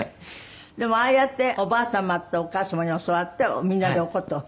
でもああやっておばあ様とお母様に教わってみんなでお箏を。